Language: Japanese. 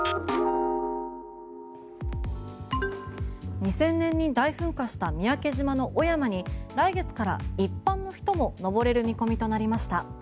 ２０００年に大噴火した三宅島の雄山に来月から一般の人も登れる見込みとなりました。